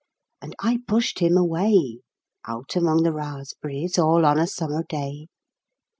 And I pushed him away, Out among the raspberries all on a summer day.